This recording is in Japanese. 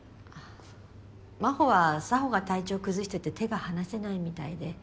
真帆は佐帆が体調崩してて手が離せないみたいで。